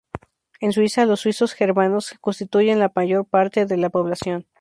En Suiza, los suizos germanos constituyen la mayor parte de la población.